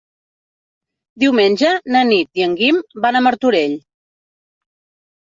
Diumenge na Nit i en Guim van a Martorell.